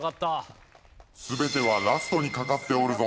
全てはラストにかかっておるぞ。